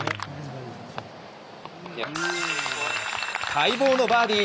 待望のバーディー！